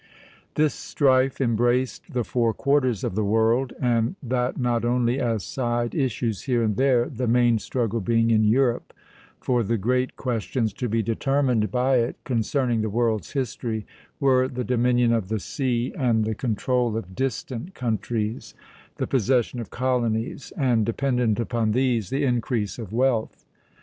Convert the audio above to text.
This strife embraced the four quarters of the world, and that not only as side issues here and there, the main struggle being in Europe; for the great questions to be determined by it, concerning the world's history, were the dominion of the sea and the control of distant countries, the possession of colonies, and, dependent upon these, the increase of wealth.